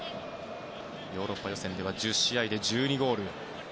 ヨーロッパ予選では１０試合で１２ゴール。